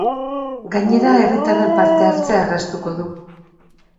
Gainera, herritarren parte-hartzea erraztuko du.